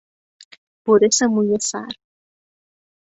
برس موی سر